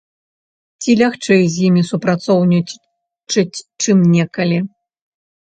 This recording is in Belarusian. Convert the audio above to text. Ці лягчэй з імі супрацоўнічаць, чым некалі?